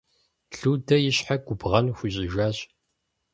Людэ и щхьэ губгъэн хуищӀыжащ.